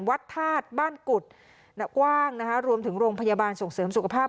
ธาตุบ้านกุฎกว้างนะคะรวมถึงโรงพยาบาลส่งเสริมสุขภาพ